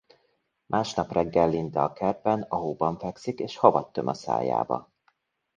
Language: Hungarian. Másnap reggel Linda a kertben a hóban fekszik és havat töm a szájába.